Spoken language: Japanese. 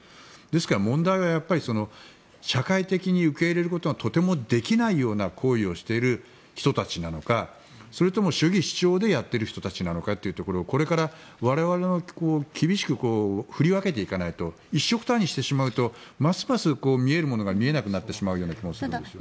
ですから、問題は社会的に受け入れることがとてもできないような行為をしている人たちなのかそれとも主義・主張でやっている人たちなのかということをこれから、我々が厳しく振り分けていかないと一緒くたにしてしまうとますます見えるものが見えなくなってしまうような気もするんです。